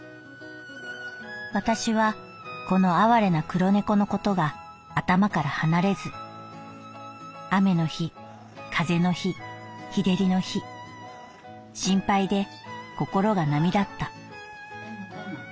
「私はこの哀れな黒猫のことが頭から離れず雨の日風の日日照りの日心配で心が波立った」。